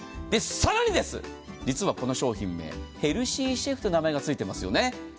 更に、実はこの商品、ヘルシーシェフと名前がついていますよね。